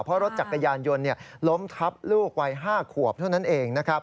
เพราะรถจักรยานยนต์ล้มทับลูกวัย๕ขวบเท่านั้นเองนะครับ